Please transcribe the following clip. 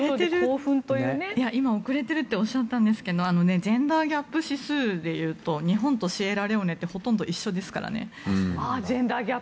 今、遅れてるっておっしゃったんですけどジェンダーギャップ指数でいうと日本とシエラレオネってほとんど一緒ですからね。